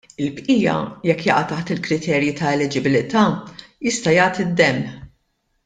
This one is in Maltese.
Il-bqija jekk jaqa' taħt il-kriterji ta' eliġibbiltà jista' jagħti d-demm.